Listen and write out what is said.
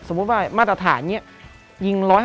สมมติประมาณมาตรฐาน๑๕๐เมตร